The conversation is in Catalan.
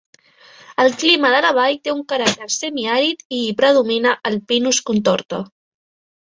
El clima de la vall té un caràcter semiàrid i hi predomina el "pinus contorta".